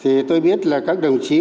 thì tôi biết là các bác hồ nói như thế này